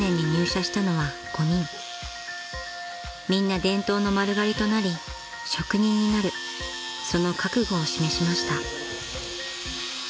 ［みんな伝統の丸刈りとなり職人になるその覚悟を示しました］